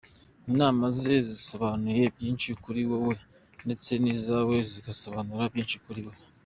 Inama ze zisobanura byinshi kuri wowe ndetse nizawe zigasobanura byinshi kuri we.